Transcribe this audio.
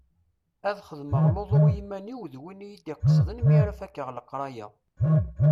Ad xedmeɣ lutu i yiman-iw d win iyi-id-iqesden mi ara fakeɣ leqraya.